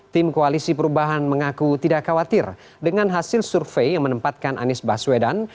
tim koalisi perubahan mengaku tidak khawatir dengan hasil survei yang menempatkan anies baswedan